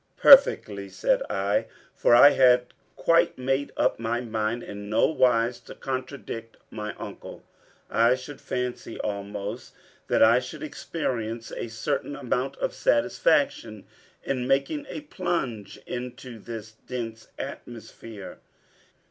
"Perfectly," said I, for I had quite made up my mind in no wise to contradict my uncle. "I should fancy almost that I should experience a certain amount of satisfaction in making a plunge into this dense atmosphere.